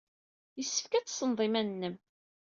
Yessefk ad tessned iman-nnem.